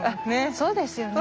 そうですよね。